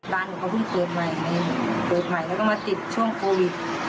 หนูก็เพิ่งเกิดใหม่เปิดใหม่แล้วก็มาติดช่วงโควิด